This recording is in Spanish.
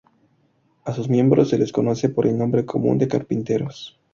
A sus miembros se les conoce por el nombre común de carpinteros.